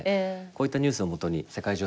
こういったニュースを基に世界情勢